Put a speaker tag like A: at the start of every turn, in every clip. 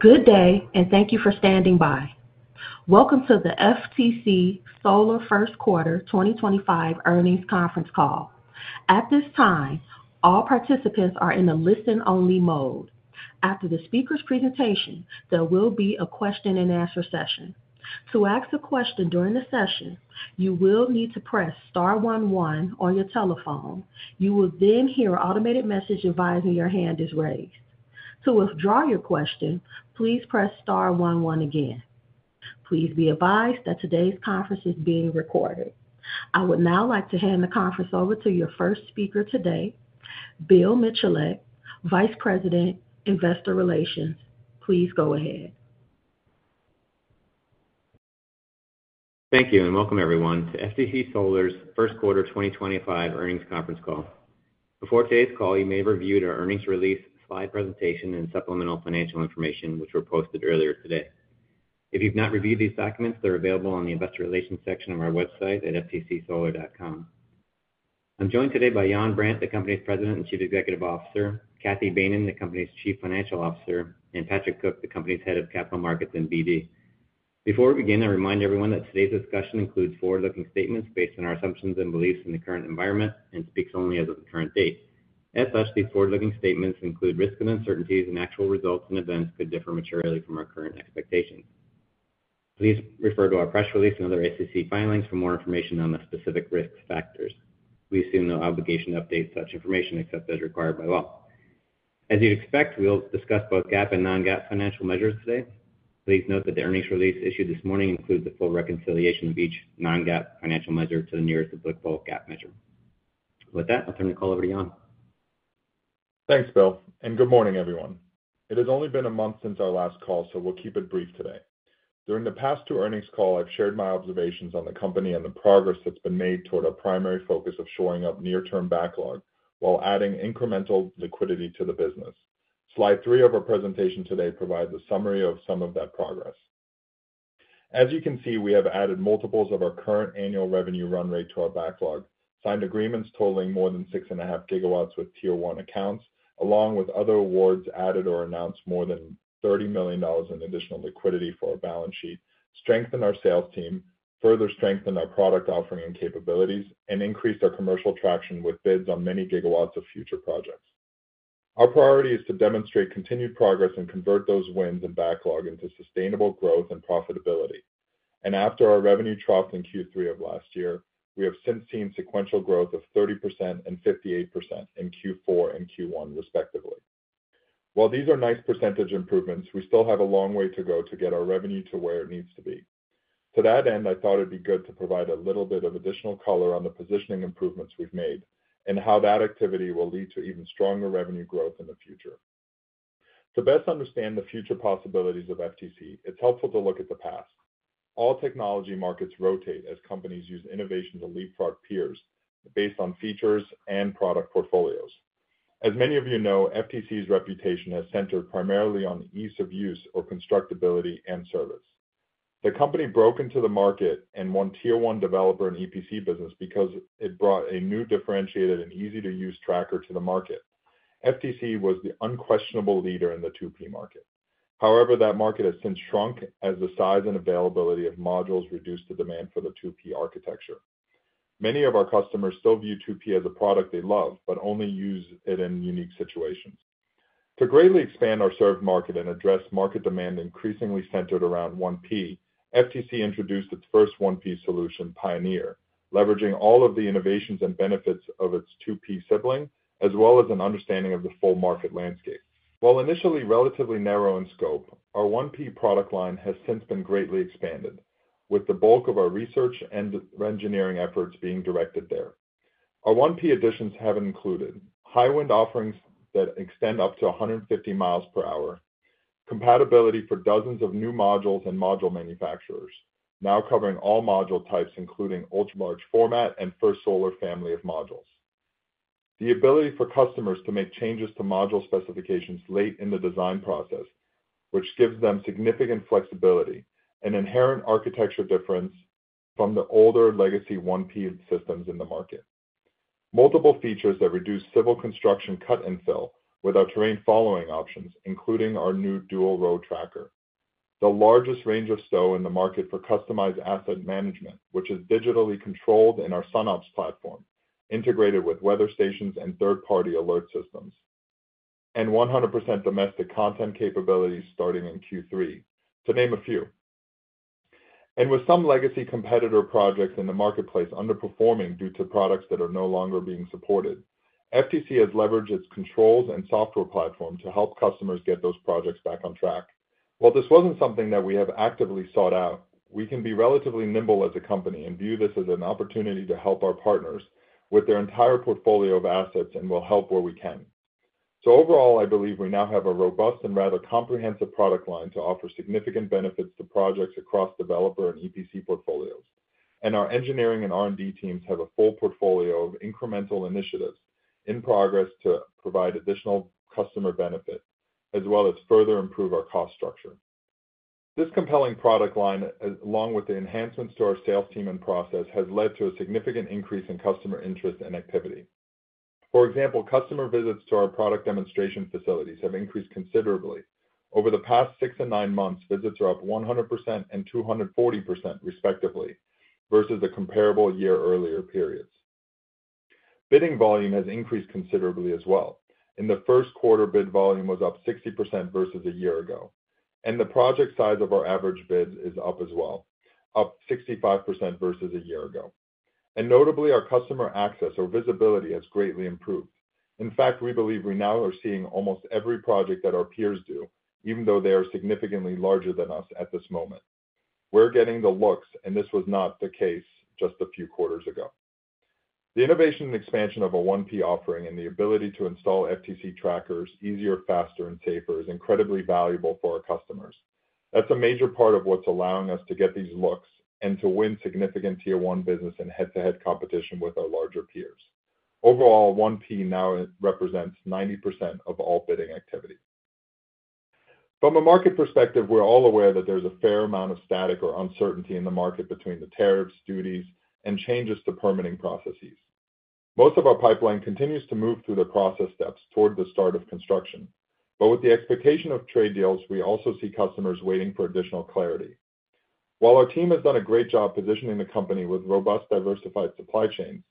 A: Good day, and thank you for standing by. Welcome to the FTC Solar First Quarter 2025 Earnings Conference Call. At this time, all participants are in a listen-only mode. After the speaker's presentation, there will be a question-and-answer session. To ask a question during the session, you will need to press Star 11 on your telephone. You will then hear an automated message advising your hand is raised. To withdraw your question, please press Star 11 again. Please be advised that today's conference is being recorded. I would now like to hand the conference over to your first speaker today, Bill Michalek, Vice President, Investor Relations. Please go ahead.
B: Thank you, and welcome everyone to FTC Solar's First Quarter 2025 Earnings Conference Call. Before today's call, you may have reviewed our earnings release, slide presentation, and supplemental financial information, which were posted earlier today. If you've not reviewed these documents, they're available on the Investor Relations section of our website at ftcsolar.com. I'm joined today by Yann Brandt, the company's President and Chief Executive Officer; Cathy Behnen, the company's Chief Financial Officer; and Patrick Cook, the company's Head of Capital Markets and BD. Before we begin, I remind everyone that today's discussion includes forward-looking statements based on our assumptions and beliefs in the current environment and speaks only as of the current date. As such, these forward-looking statements include risk and uncertainties, and actual results and events could differ materially from our current expectations. Please refer to our press release and other SEC filings for more information on the specific risk factors. We assume no obligation to update such information except as required by law. As you'd expect, we'll discuss both GAAP and non-GAAP financial measures today. Please note that the earnings release issued this morning includes the full reconciliation of each non-GAAP financial measure to the nearest applicable GAAP measure. With that, I'll turn the call over to Yann.
C: Thanks, Bill, and good morning, everyone. It has only been a month since our last call, so we'll keep it brief today. During the past two earnings calls, I've shared my observations on the company and the progress that's been made toward our primary focus of shoring up near-term backlog while adding incremental liquidity to the business. Slide three of our presentation today provides a summary of some of that progress. As you can see, we have added multiples of our current annual revenue run rate to our backlog, signed agreements totaling more than 6.5 gigawatts with tier one accounts, along with other awards added or announced more than $30 million in additional liquidity for our balance sheet, strengthened our sales team, further strengthened our product offering and capabilities, and increased our commercial traction with bids on many gigawatts of future projects. Our priority is to demonstrate continued progress and convert those wins and backlog into sustainable growth and profitability. After our revenue trough in Q3 of last year, we have since seen sequential growth of 30% and 58% in Q4 and Q1, respectively. While these are nice percentage improvements, we still have a long way to go to get our revenue to where it needs to be. To that end, I thought it'd be good to provide a little bit of additional color on the positioning improvements we've made and how that activity will lead to even stronger revenue growth in the future. To best understand the future possibilities of FTC, it's helpful to look at the past. All technology markets rotate as companies use innovation to leapfrog peers based on features and product portfolios. As many of you know, FTC's reputation has centered primarily on ease of use or constructability and service. The company broke into the market and won tier one developer and EPC business because it brought a new, differentiated, and easy-to-use tracker to the market. FTC was the unquestionable leader in the 2P market. However, that market has since shrunk as the size and availability of modules reduced the demand for the 2P architecture. Many of our customers still view 2P as a product they love but only use it in unique situations. To greatly expand ourserved market and address market demand increasingly centered around 1P, FTC introduced its first 1P solution, Pioneer, leveraging all of the innovations and benefits of its 2P sibling, as well as an understanding of the full market landscape. While initially relatively narrow in scope, our 1P product line has since been greatly expanded, with the bulk of our research and engineering efforts being directed there. Our 1P additions have included high-wind offerings that extend up to 150 miles per hour, compatibility for dozens of new modules and module manufacturers, now covering all module types, including ultra-large format and First Solar family of modules. The ability for customers to make changes to module specifications late in the design process, which gives them significant flexibility, an inherent architecture difference from the older legacy 1P systems in the market, multiple features that reduce civil construction cut and fill with our terrain-following options, including our new dual-row tracker, the largest range of stow in the market for customized asset management, which is digitally controlled in our SunOps platform, integrated with weather stations and third-party alert systems, and 100% domestic content capabilities starting in Q3 2025, to name a few. With some legacy competitor projects in the marketplace underperforming due to products that are no longer being supported, FTC has leveraged its controls and software platform to help customers get those projects back on track. While this was not something that we have actively sought out, we can be relatively nimble as a company and view this as an opportunity to help our partners with their entire portfolio of assets and will help where we can. Overall, I believe we now have a robust and rather comprehensive product line to offer significant benefits to projects across developer and EPC portfolios. Our engineering and R&D teams have a full portfolio of incremental initiatives in progress to provide additional customer benefit, as well as further improve our cost structure. This compelling product line, along with the enhancements to our sales team and process, has led to a significant increase in customer interest and activity. For example, customer visits to our product demonstration facilities have increased considerably. Over the past six and nine months, visits are up 100% and 240%, respectively, versus the comparable year-earlier periods. Bidding volume has increased considerably as well. In the first quarter, bid volume was up 60% versus a year ago. The project size of our average bids is up as well, up 65% versus a year ago. Notably, our customer access or visibility has greatly improved. In fact, we believe we now are seeing almost every project that our peers do, even though they are significantly larger than us at this moment. We're getting the looks, and this was not the case just a few quarters ago. The innovation and expansion of a 1P offering and the ability to install FTC trackers easier, faster, and safer is incredibly valuable for our customers. That's a major part of what's allowing us to get these looks and to win significant tier one business and head-to-head competition with our larger peers. Overall, 1P now represents 90% of all bidding activity. From a market perspective, we're all aware that there's a fair amount of static or uncertainty in the market between the tariffs, duties, and changes to permitting processes. Most of our pipeline continues to move through the process steps toward the start of construction. With the expectation of trade deals, we also see customers waiting for additional clarity. While our team has done a great job positioning the company with robust, diversified supply chains,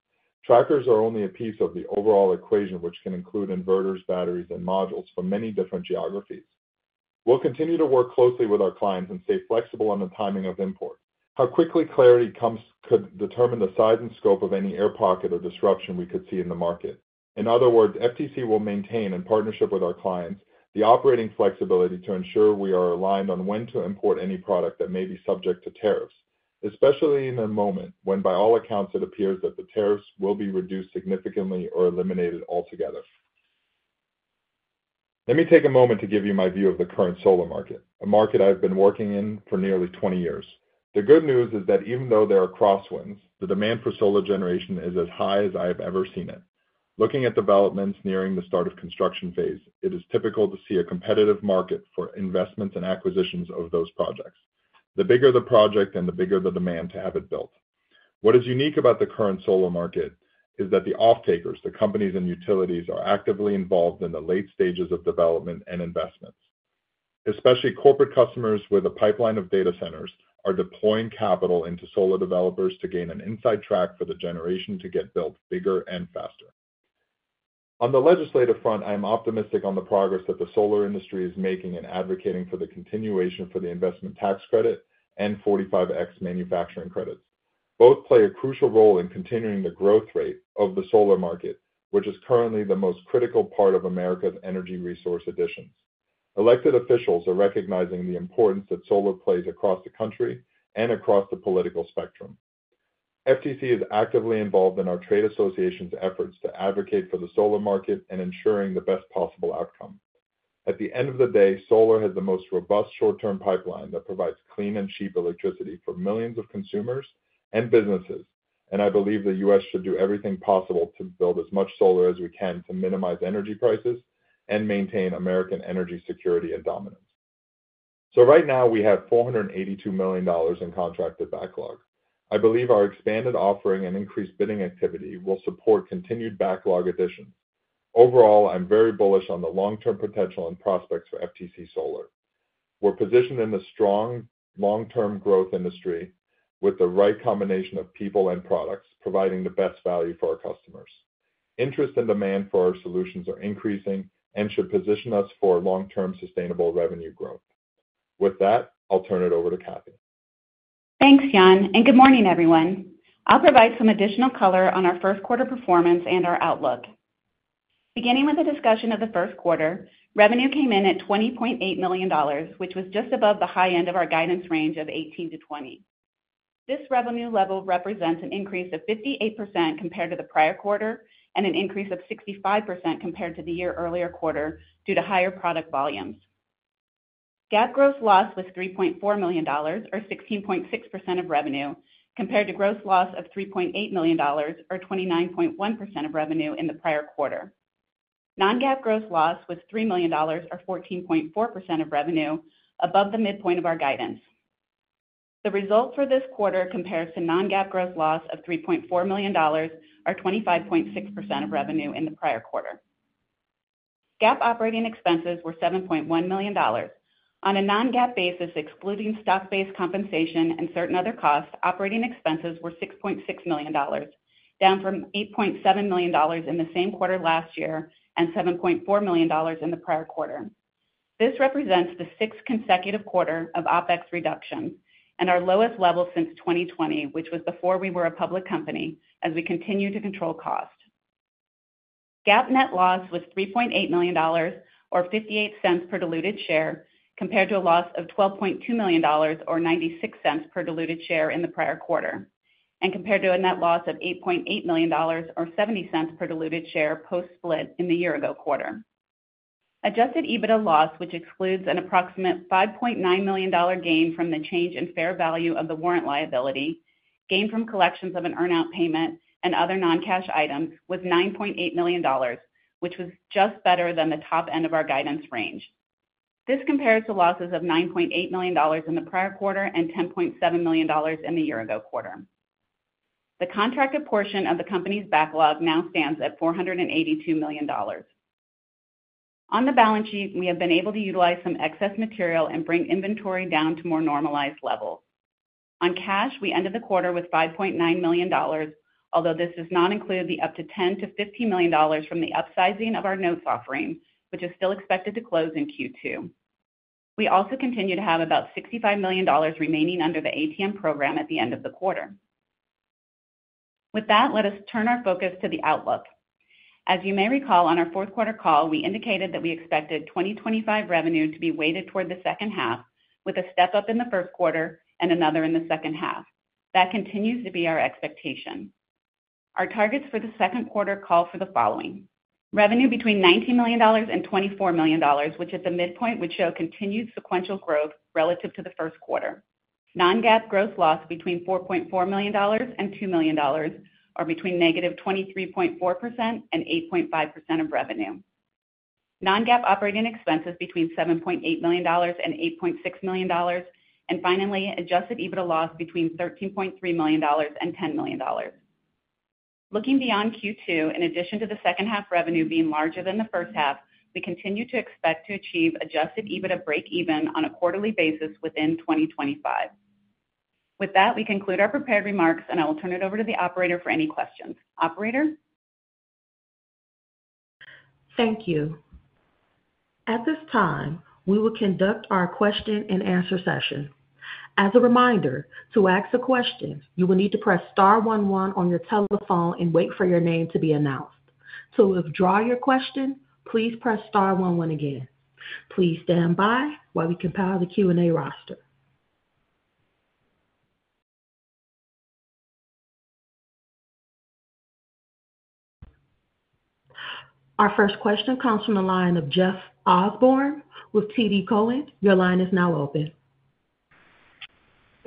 C: trackers are only a piece of the overall equation, which can include inverters, batteries, and modules for many different geographies. We'll continue to work closely with our clients and stay flexible on the timing of import. How quickly clarity comes could determine the size and scope of any air pocket or disruption we could see in the market. In other words, FTC Solar will maintain, in partnership with our clients, the operating flexibility to ensure we are aligned on when to import any product that may be subject to tariffs, especially in a moment when, by all accounts, it appears that the tariffs will be reduced significantly or eliminated altogether. Let me take a moment to give you my view of the current solar market, a market I've been working in for nearly 20 years. The good news is that even though there are crosswinds, the demand for solar generation is as high as I have ever seen it. Looking at developments nearing the start of construction phase, it is typical to see a competitive market for investments and acquisitions of those projects. The bigger the project, and the bigger the demand to have it built. What is unique about the current solar market is that the offtakers, the companies and utilities, are actively involved in the late stages of development and investments. Especially corporate customers with a pipeline of data centers are deploying capital into solar developers to gain an inside track for the generation to get built bigger and faster. On the legislative front, I am optimistic on the progress that the solar industry is making in advocating for the continuation for the Investment Tax Credit and 45X Manufacturing Credits. Both play a crucial role in continuing the growth rate of the solar market, which is currently the most critical part of America's energy resource additions. Elected officials are recognizing the importance that solar plays across the country and across the political spectrum. FTC Solar is actively involved in our trade association's efforts to advocate for the solar market and ensuring the best possible outcome. At the end of the day, solar has the most robust short-term pipeline that provides clean and cheap electricity for millions of consumers and businesses. I believe the U.S. should do everything possible to build as much solar as we can to minimize energy prices and maintain American energy security and dominance. Right now, we have $482 million in contracted backlog. I believe our expanded offering and increased bidding activity will support continued backlog additions. Overall, I'm very bullish on the long-term potential and prospects for FTC Solar. We're positioned in a strong long-term growth industry with the right combination of people and products providing the best value for our customers. Interest and demand for our solutions are increasing and should position us for long-term sustainable revenue growth. With that, I'll turn it over to Cathy.
D: Thanks, Yann. Good morning, everyone. I'll provide some additional color on our first quarter performance and our outlook. Beginning with a discussion of the first quarter, revenue came in at $20.8 million, which was just above the high end of our guidance range of $18-$20 million. This revenue level represents an increase of 58% compared to the prior quarter and an increase of 65% compared to the year earlier quarter due to higher product volumes. GAAP gross loss was $3.4 million, or 16.6% of revenue, compared to gross loss of $3.8 million, or 29.1% of revenue in the prior quarter. Non-GAAP gross loss was $3 million, or 14.4% of revenue, above the midpoint of our guidance. The result for this quarter compares to non-GAAP gross loss of $3.4 million, or 25.6% of revenue in the prior quarter. GAAP operating expenses were $7.1 million. On a non-GAAP basis, excluding stock-based compensation and certain other costs, operating expenses were $6.6 million, down from $8.7 million in the same quarter last year and $7.4 million in the prior quarter. This represents the sixth consecutive quarter of OpEx reductions and our lowest level since 2020, which was before we were a public company, as we continue to control cost. GAAP net loss was $3.8 million, or $0.58 per diluted share, compared to a loss of $12.2 million, or $0.96 per diluted share in the prior quarter, and compared to a net loss of $8.8 million, or $0.70 per diluted share post-split in the year-ago quarter. Adjusted EBITDA loss, which excludes an approximate $5.9 million gain from the change in fair value of the warrant liability, gain from collections of an earn-out payment and other non-cash items, was $9.8 million, which was just better than the top end of our guidance range. This compares to losses of $9.8 million in the prior quarter and $10.7 million in the year-ago quarter. The contracted portion of the company's backlog now stands at $482 million. On the balance sheet, we have been able to utilize some excess material and bring inventory down to more normalized levels. On cash, we ended the quarter with $5.9 million, although this does not include the up to $10-$15 million from the upsizing of our notes offering, which is still expected to close in Q2. We also continue to have about $65 million remaining under the ATM program at the end of the quarter. With that, let us turn our focus to the outlook. As you may recall, on our fourth quarter call, we indicated that we expected 2025 revenue to be weighted toward the second half, with a step up in the first quarter and another in the second half. That continues to be our expectation. Our targets for the second quarter call for the following: revenue between $19 million and $24 million, which at the midpoint would show continued sequential growth relative to the first quarter; non-GAAP gross loss between $4.4 million and $2 million, or between negative 23.4% and 8.5% of revenue; non-GAAP operating expenses between $7.8 million and $8.6 million; and finally, adjusted EBITDA loss between $13.3 million and $10 million. Looking beyond Q2, in addition to the second half revenue being larger than the first half, we continue to expect to achieve adjusted EBITDA break-even on a quarterly basis within 2025. With that, we conclude our prepared remarks, and I will turn it over to the operator for any questions. Operator?
A: Thank you. At this time, we will conduct our question-and-answer session. As a reminder, to ask a question, you will need to press Star 11 on your telephone and wait for your name to be announced. To withdraw your question, please press Star 11 again. Please stand by while we compile the Q&A roster. Our first question comes from the line of Jeff Osborne with TD Cowen. Your line is now open.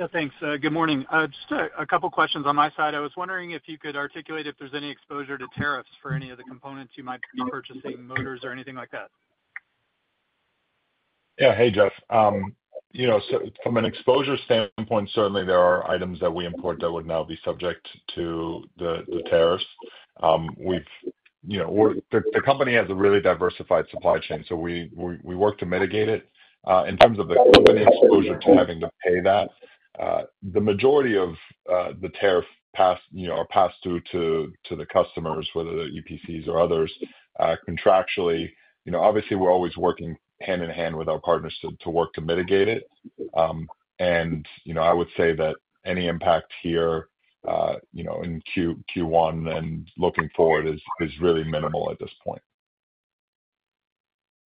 E: Yeah, thanks. Good morning. Just a couple of questions on my side. I was wondering if you could articulate if there's any exposure to tariffs for any of the components you might be purchasing, motors or anything like that.
C: Yeah, hey, Jeff. From an exposure standpoint, certainly there are items that we import that would now be subject to the tariffs. The company has a really diversified supply chain, so we work to mitigate it. In terms of the company exposure to having to pay that, the majority of the tariffs are passed through to the customers, whether they're EPCs or others. Contractually, obviously, we're always working hand in hand with our partners to work to mitigate it. I would say that any impact here in Q1 and looking forward is really minimal at this point.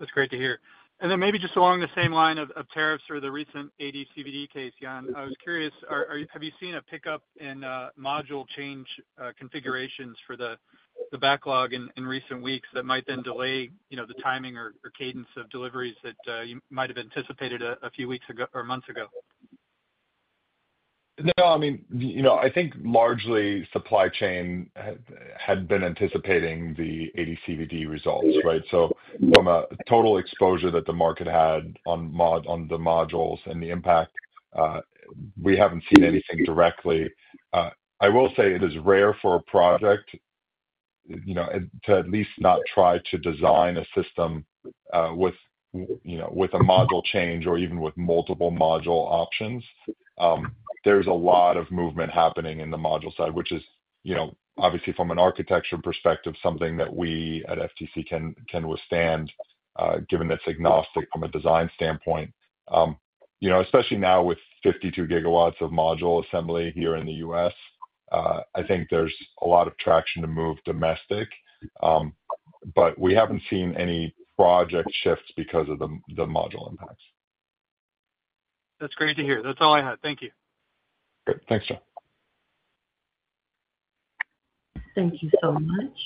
F: That's great to hear. Maybe just along the same line of tariffs or the recent AD/CVD case, Yann, I was curious, have you seen a pickup in module change configurations for the backlog in recent weeks that might then delay the timing or cadence of deliveries that you might have anticipated a few weeks ago or months ago?
C: No, I mean, I think largely supply chain had been anticipating the AD/CVD results, right? From a total exposure that the market had on the modules and the impact, we haven't seen anything directly. I will say it is rare for a project to at least not try to design a system with a module change or even with multiple module options. There's a lot of movement happening in the module side, which is obviously, from an architecture perspective, something that we at FTC can withstand, given that it's agnostic from a design standpoint. Especially now with 52 gigawatts of module assembly here in the U.S., I think there's a lot of traction to move domestic. We haven't seen any project shifts because of the module impacts.
F: That's great to hear. That's all I had. Thank you.
C: Great. Thanks, Jeff.
A: Thank you so much.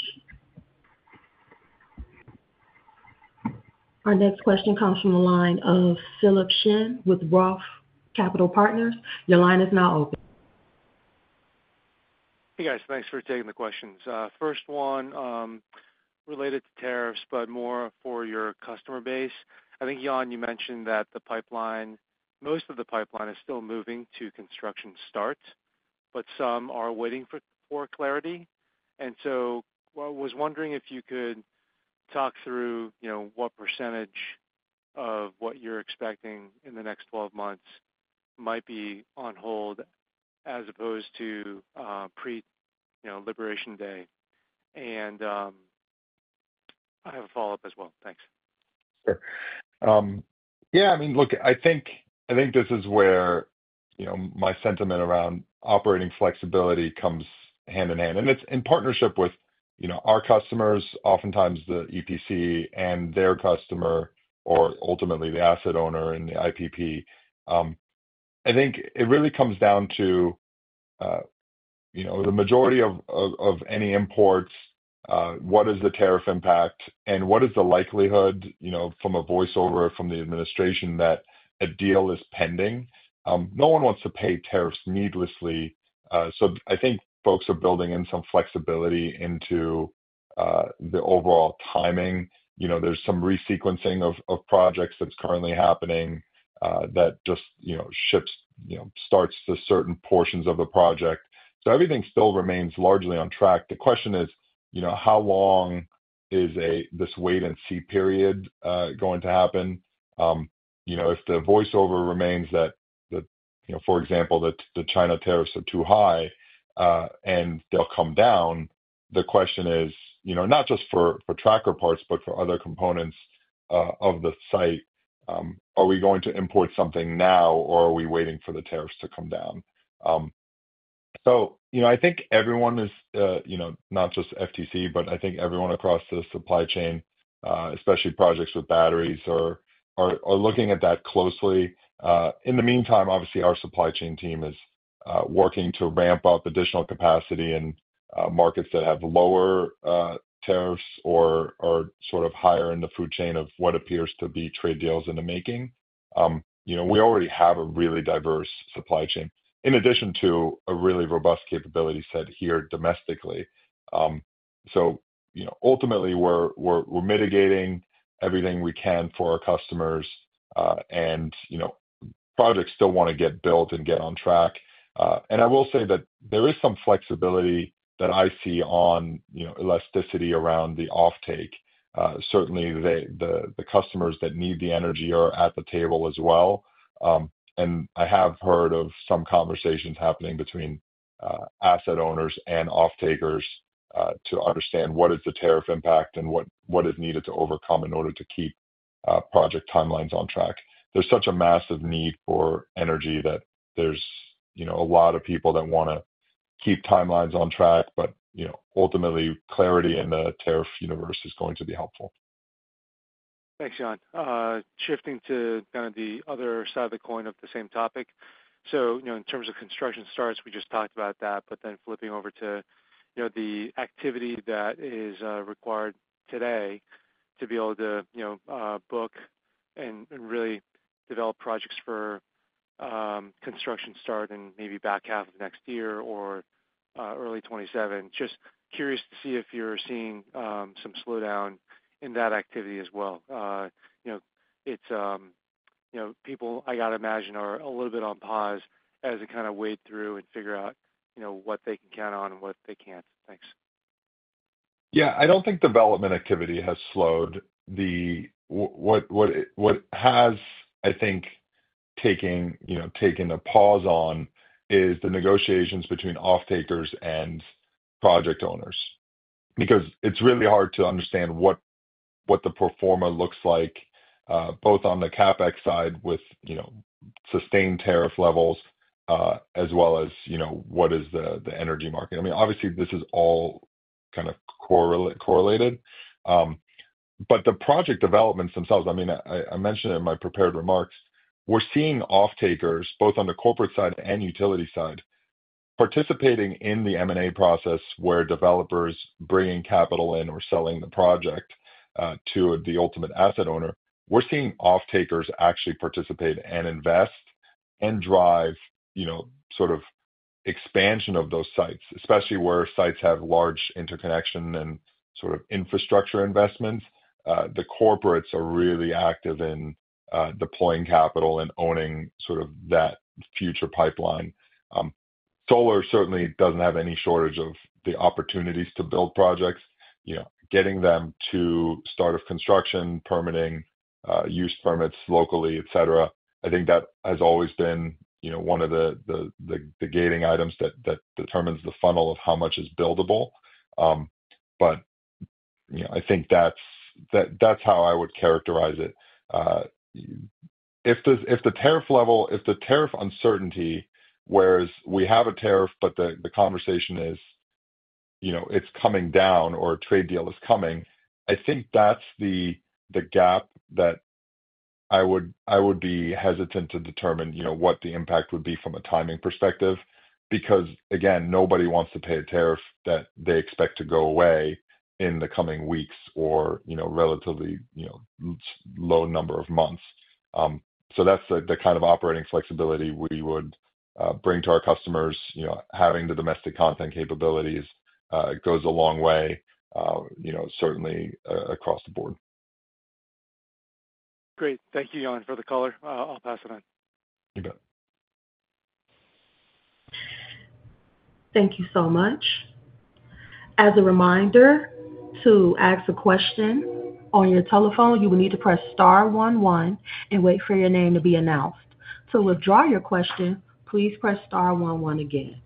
A: Our next question comes from the line of Philip Shen with Roth Capital Partners. Your line is now open.
G: Hey, guys. Thanks for taking the questions. First one related to tariffs, but more for your customer base. I think, Yann, you mentioned that most of the pipeline is still moving to construction start, but some are waiting for clarity. I was wondering if you could talk through what percentage of what you're expecting in the next 12 months might be on hold as opposed to pre-liberation day. I have a follow-up as well. Thanks.
C: Sure. Yeah, I mean, look, I think this is where my sentiment around operating flexibility comes hand in hand. It is in partnership with our customers, oftentimes the EPC and their customer, or ultimately the asset owner and the IPP. I think it really comes down to the majority of any imports, what is the tariff impact, and what is the likelihood from a voiceover from the administration that a deal is pending? No one wants to pay tariffs needlessly. I think folks are building in some flexibility into the overall timing. There is some re-sequencing of projects that is currently happening that just shifts starts to certain portions of the project. Everything still remains largely on track. The question is, how long is this wait-and-see period going to happen? If the voiceover remains that, for example, the China tariffs are too high and they'll come down, the question is, not just for tracker parts, but for other components of the site, are we going to import something now, or are we waiting for the tariffs to come down? I think everyone is, not just FTC, but I think everyone across the supply chain, especially projects with batteries, are looking at that closely. In the meantime, obviously, our supply chain team is working to ramp up additional capacity in markets that have lower tariffs or sort of higher in the food chain of what appears to be trade deals in the making. We already have a really diverse supply chain, in addition to a really robust capability set here domestically. Ultimately, we're mitigating everything we can for our customers. Projects still want to get built and get on track. I will say that there is some flexibility that I see on elasticity around the offtake. Certainly, the customers that need the energy are at the table as well. I have heard of some conversations happening between asset owners and offtakers to understand what is the tariff impact and what is needed to overcome in order to keep project timelines on track. There is such a massive need for energy that there are a lot of people that want to keep timelines on track. Ultimately, clarity in the tariff universe is going to be helpful.
G: Thanks, Yann. Shifting to kind of the other side of the coin of the same topic. In terms of construction starts, we just talked about that, but then flipping over to the activity that is required today to be able to book and really develop projects for construction start in maybe back half of next year or early 2027. Just curious to see if you're seeing some slowdown in that activity as well. It's people, I got to imagine, are a little bit on pause as they kind of wade through and figure out what they can count on and what they can't. Thanks.
C: Yeah, I do not think development activity has slowed. What has, I think, taken a pause on is the negotiations between offtakers and project owners. Because it is really hard to understand what the pro forma looks like, both on the CapEx side with sustained tariff levels, as well as what is the energy market. I mean, obviously, this is all kind of correlated. The project developments themselves, I mean, I mentioned it in my prepared remarks. We are seeing offtakers, both on the corporate side and utility side, participating in the M&A process where developers bringing capital in or selling the project to the ultimate asset owner. We are seeing offtakers actually participate and invest and drive sort of expansion of those sites, especially where sites have large interconnection and sort of infrastructure investments. The corporates are really active in deploying capital and owning sort of that future pipeline. Solar certainly does not have any shortage of the opportunities to build projects, getting them to start of construction, permitting, use permits locally, etc. I think that has always been one of the gating items that determines the funnel of how much is buildable. I think that is how I would characterize it. If the tariff uncertainty, whereas we have a tariff, but the conversation is it is coming down or a trade deal is coming, I think that is the gap that I would be hesitant to determine what the impact would be from a timing perspective. Again, nobody wants to pay a tariff that they expect to go away in the coming weeks or relatively low number of months. That is the kind of operating flexibility we would bring to our customers. Having the domestic content capabilities goes a long way, certainly across the board.
G: Great. Thank you, Yann, for the call. I'll pass it on.
C: You bet.
A: Thank you so much. As a reminder, to ask a question on your telephone, you will need to press Star 11 and wait for your name to be announced. To withdraw your question, please press Star 11 again.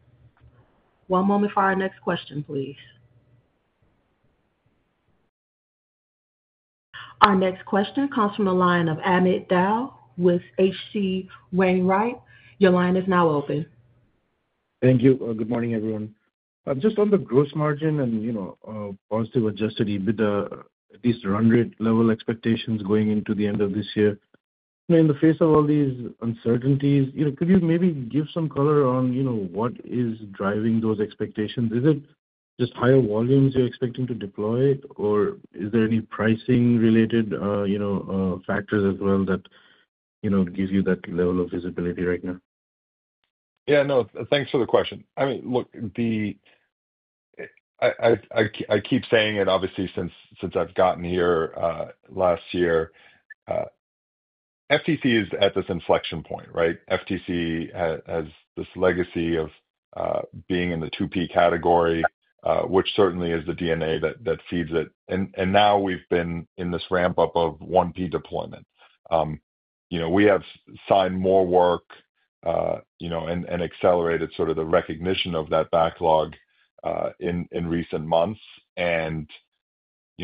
A: One moment for our next question, please. Our next question comes from the line of Amit Dayal with H.C. Wainwright. Your line is now open.
H: Thank you. Good morning, everyone. Just on the gross margin and positive adjusted EBITDA, at least run rate level expectations going into the end of this year. In the face of all these uncertainties, could you maybe give some color on what is driving those expectations? Is it just higher volumes you're expecting to deploy, or is there any pricing-related factors as well that give you that level of visibility right now?
C: Yeah, no, thanks for the question. I mean, look, I keep saying it, obviously, since I've gotten here last year. FTC is at this inflection point, right? FTC has this legacy of being in the 2P category, which certainly is the DNA that feeds it. And now we've been in this ramp-up of 1P deployment. We have signed more work and accelerated sort of the recognition of that backlog in recent months.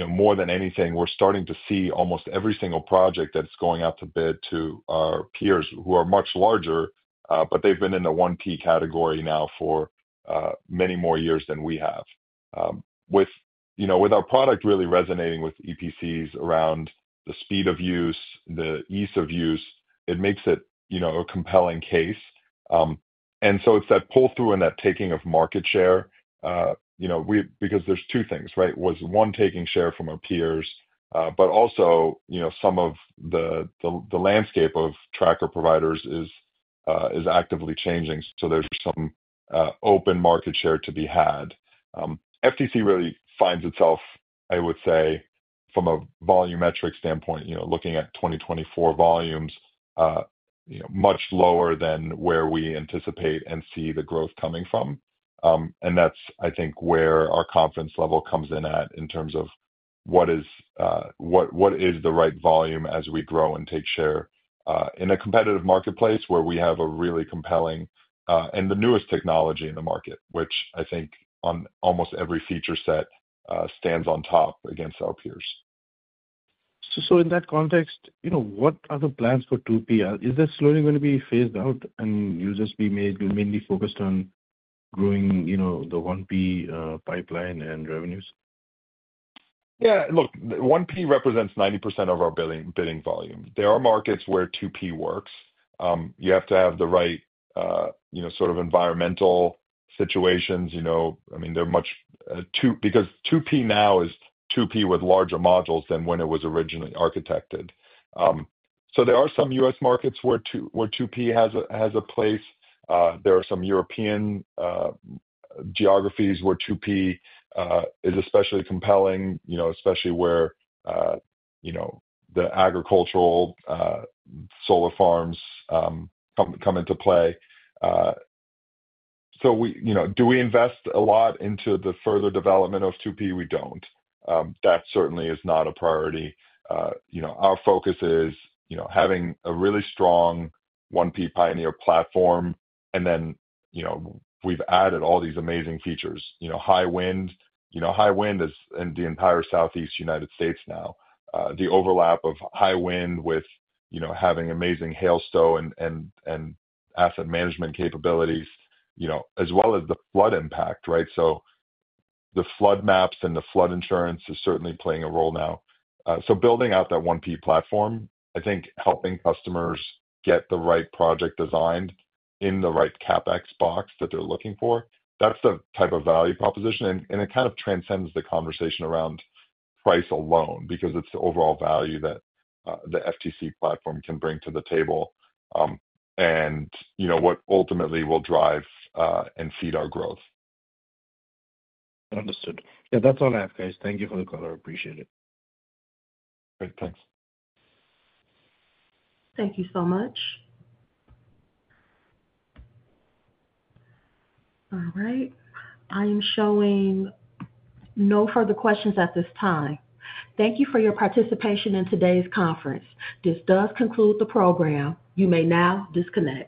C: More than anything, we're starting to see almost every single project that's going out to bid to our peers who are much larger, but they've been in the 1P category now for many more years than we have. With our product really resonating with EPCs around the speed of use, the ease of use, it makes it a compelling case. It is that pull-through and that taking of market share. Because there's two things, right? One, taking share from our peers, but also some of the landscape of tracker providers is actively changing. There is some open market share to be had. FTC really finds itself, I would say, from a volumetric standpoint, looking at 2024 volumes, much lower than where we anticipate and see the growth coming from. That is, I think, where our confidence level comes in at in terms of what is the right volume as we grow and take share in a competitive marketplace where we have a really compelling and the newest technology in the market, which I think on almost every feature set stands on top against our peers.
H: In that context, what are the plans for 2P? Is this slowly going to be phased out and you'll just be mainly focused on growing the 1P pipeline and revenues?
C: Yeah. Look, 1P represents 90% of our bidding volume. There are markets where 2P works. You have to have the right sort of environmental situations. I mean, they're much because 2P now is 2P with larger modules than when it was originally architected. There are some U.S. markets where 2P has a place. There are some European geographies where 2P is especially compelling, especially where the agricultural solar farms come into play. Do we invest a lot into the further development of 2P? We don't. That certainly is not a priority. Our focus is having a really strong 1P Pioneer platform. We have added all these amazing features. High wind is in the entire Southeast United States now. The overlap of high wind with having amazing hail stow and asset management capabilities, as well as the flood impact, right? The flood maps and the flood insurance is certainly playing a role now. Building out that 1P platform, I think helping customers get the right project designed in the right CapEx box that they're looking for, that's the type of value proposition. It kind of transcends the conversation around price alone because it's the overall value that the FTC platform can bring to the table and what ultimately will drive and feed our growth.
H: Understood. Yeah, that's all I have, guys. Thank you for the call. I appreciate it.
C: Great. Thanks.
A: Thank you so much. All right. I am showing no further questions at this time. Thank you for your participation in today's conference. This does conclude the program. You may now disconnect.